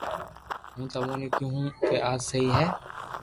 ھون تموني ڪيو ھون ڪا آ سھي ھي